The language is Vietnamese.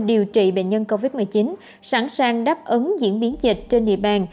điều trị bệnh nhân covid một mươi chín sẵn sàng đáp ứng diễn biến dịch trên địa bàn